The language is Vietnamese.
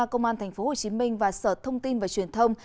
công an tp hcm và sở thông tin và truyền thông